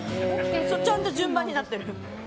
ちゃんと順番になってる。